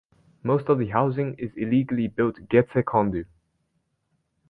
Most of the housing is illegally built gecekondu.